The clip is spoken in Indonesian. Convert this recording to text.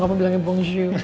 kamu bilangnya bonjour